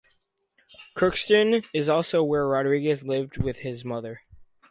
Crookston is also where Rodriguez lived with his mother.